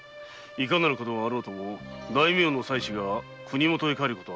いかなることがあろうと大名の妻子が国もとへ帰ることなどありえない。